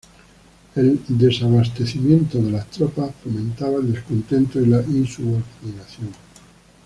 El desabastecimiento de las tropas fomentaba el descontento y la insubordinación.